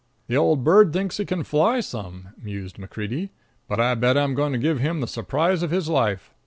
"The old bird thinks he can fly some," mused MacCreedy, "but I bet I'm going to give him the surprise of his life!"